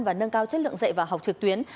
và nâng cao chất lượng dạy và học trực tuyến